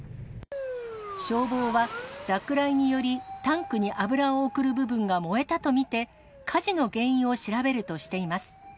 消防は、落雷により、タンクに油を送る部分が燃えたと見て、火事の原因を調べるとしています。